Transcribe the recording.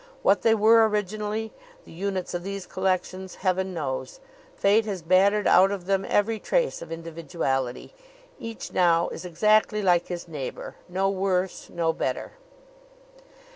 What they were originally the units of these collections Heaven knows. Fate has battered out of them every trace of individuality. Each now is exactly like his neighbor no worse; no better.